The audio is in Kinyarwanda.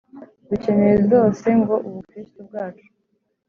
dukeneye zose ngo ubukristu bwacu